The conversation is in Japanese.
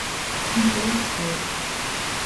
猫を吸う